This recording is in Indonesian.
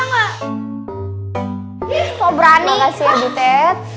kau berani makasih ya dutet